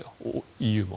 ＥＵも。